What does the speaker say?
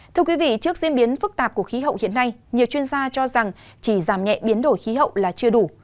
thưa quý vị trước diễn biến phức tạp của khí hậu hiện nay nhiều chuyên gia cho rằng chỉ giảm nhẹ biến đổi khí hậu là chưa đủ